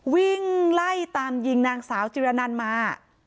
วิ่งไล่ตามยิงนางสาวจิรนันมา